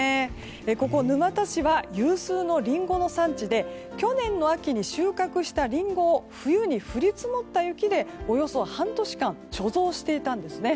ここ沼田市は有数のリンゴの産地で去年の秋に収穫したリンゴを降り積もった雪でおよそ半年間貯蔵していたんです。